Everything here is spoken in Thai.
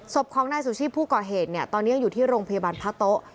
ศพของนายสุชีพผู้ก่อเหตุเนี่ยตอนนี้ยังอยู่ที่โรงพยาบาลพระโต๊ะ